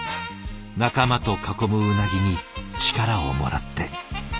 仲間と囲むうなぎに力をもらって。